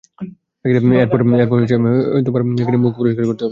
এরপর বাইরে যাওয়ার আগে মুখ পরিষ্কার করতে হবে মাইল্ড ক্লিনজার দিয়ে।